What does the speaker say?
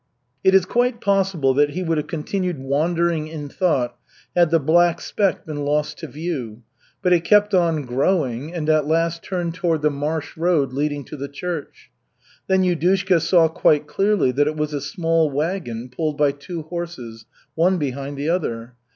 It is quite possible that he would have continued wandering in thought had the black speck been lost to view, but it kept on growing and at last turned toward the marsh road leading to the church. Then Yudushka saw quite clearly that it was a small wagon pulled by two horses, one behind the other.